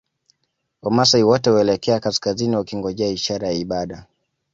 Wamaasai wote huelekea kaskazini wakingojea ishara ya ibada